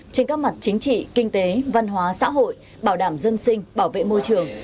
trên các mặt chính trị kinh tế văn hóa xã hội bảo đảm dân sinh bảo vệ môi trường